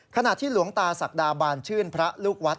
ขณะที่หลวงตาศักดาบานชื่นพระลูกวัด